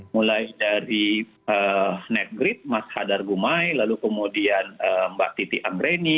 mulai dari negrid mas hadar gumai lalu kemudian mbak titi anggreni